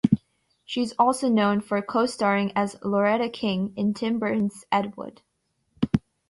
She is also known for co-starring as Loretta King in Tim Burton's Ed Wood.